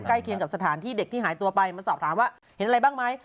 เคียงกับสถานที่เด็กที่หายตัวไปมาสอบถามว่าเห็นอะไรบ้างไหม